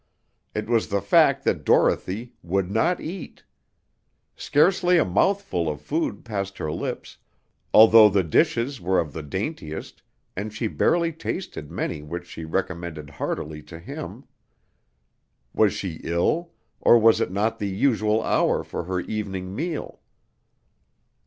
It was the fact that Dorothy would not eat. Scarcely a mouthful of food passed her lips, although the dishes were of the daintiest, and she barely tasted many which she recommended heartily to him. Was she ill? or was it not the usual hour for her evening meal?